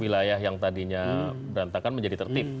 wilayah yang tadinya berantakan menjadi tertib